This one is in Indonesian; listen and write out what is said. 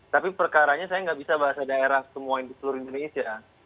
tapi perkaranya saya nggak bisa bahasa daerah semua yang di seluruh indonesia